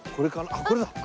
あっこれ？